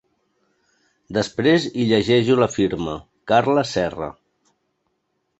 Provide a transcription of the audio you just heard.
Després hi llegeixo la firma: Carla Serra.